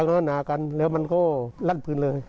ขันหน้าเข้าเห็นกันแล้วมันก็ลั่นพื้นเลย